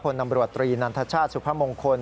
พลตำรวจตรีนันทชาติสุพมงคล